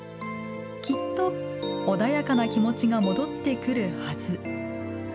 きっと穏やかな気持ちが戻ってくるはず。